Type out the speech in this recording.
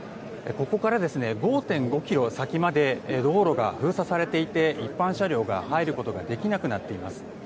ここから、５．５ｋｍ先まで道路が封鎖されていて一般車両が入ることができなくなっています。